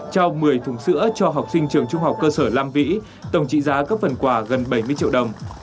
trao một mươi thùng sữa cho học sinh trường trung học cơ sở lam vĩ tổng trị giá các phần quà gần bảy mươi triệu đồng